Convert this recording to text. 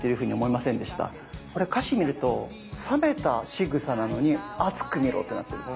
これ歌詞見ると「覚めたしぐさ」なのに「熱く見ろ」ってなってるんです。